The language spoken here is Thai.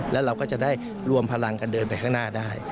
แล้วเราก็จะได้รวมพลังกันเดินไปข้างหน้าได้